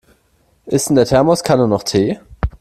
Ist in der Thermoskanne noch Tee?